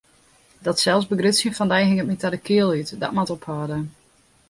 Dat selsbegrutsjen fan dy hinget my ta de kiel út, dat moat ophâlde!